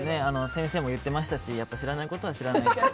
先生も言ってましたし知らないことは知らないって。